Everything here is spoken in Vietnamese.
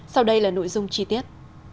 sau đây là nội dung chi tiết